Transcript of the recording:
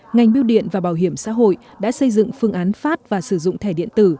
ngành biêu điện và bảo hiểm xã hội đã xây dựng phương án phát và sử dụng thẻ điện tử